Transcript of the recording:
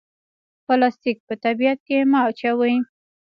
پلاستیک په طبیعت کې مه اچوئ